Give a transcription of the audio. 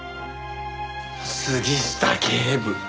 杉下警部。